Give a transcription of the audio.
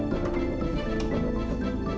pasti ada di sini